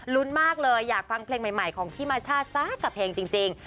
ลุ้นมากเลยอยากฟังเพลงใหม่ของพี่มาช่าสักกับเพลงจริง